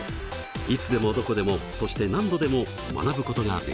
いつでもどこでもそして何度でも学ぶことができます。